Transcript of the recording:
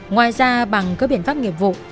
ngoài ra bằng các biện pháp nghiệp vụ